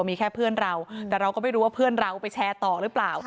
มีแค่เพื่อนเราแต่เราก็ไม่รู้ว่าเพื่อนเราไปแชร์ต่อหรือเปล่า